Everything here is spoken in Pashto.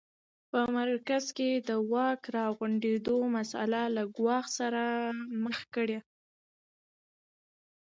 په مرکز کې د واک راغونډېدو مسٔله له ګواښ سره مخ کړه.